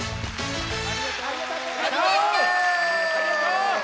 ありがとう。